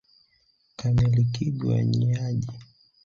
Kamilikigwa nyi haji.